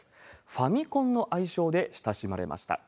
ファミコンの愛称で親しまれました。